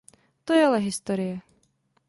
To je ale historie!